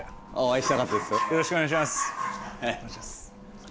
よろしくお願いします。